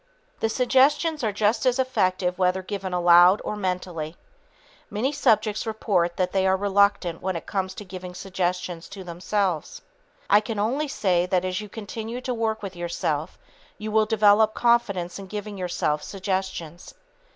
The suggestions are just as effective whether given aloud or mentally. Many subjects report that they are reluctant when it comes to giving suggestions to themselves. I can only say that as you continue to work with yourself, you will develop confidence in giving yourself suggestions.